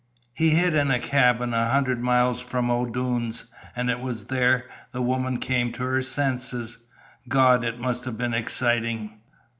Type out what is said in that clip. He hid in a cabin a hundred miles from O'Doone's, an' it was there the woman come to her senses. Gawd! it must have been exciting!